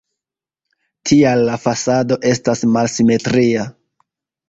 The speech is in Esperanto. Tial la fasado estas malsimetria.